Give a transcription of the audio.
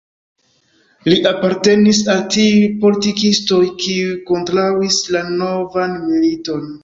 Li apartenis al tiuj politikistoj, kiuj kontraŭis la novan militon.